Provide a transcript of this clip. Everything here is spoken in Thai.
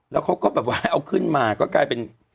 แล้วเขาก็แบบว่าเอาขึ้นมาก็กลายเป็น